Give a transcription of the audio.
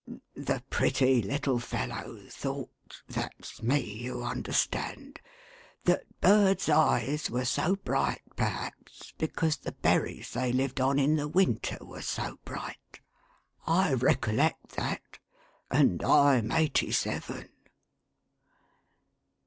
The pretty little fellow thought — that's me, you understand — that birds' eyes were so bright, perhaps, because the berries that they lived on in the winter were so bright. I recollect that. And I'm eighty seven